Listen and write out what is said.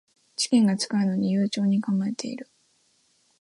試験が近いのに悠長に構えてる